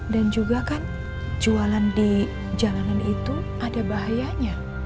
dan juga kan jualan di jalanan itu ada bahayanya